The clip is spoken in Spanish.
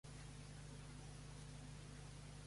El kibutz es un miembro del Movimiento del Kibutz Religioso.